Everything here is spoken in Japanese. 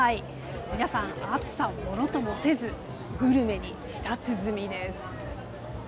皆さん、暑さをものともせずグルメに舌鼓です。